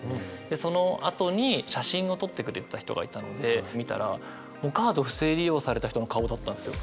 そのあとに写真を撮ってくれてた人がいたので見たらもうカード不正利用された人の顔だったんですよ